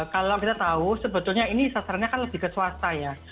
kalau kita tahu sebetulnya ini sasarannya kan lebih ke swasta ya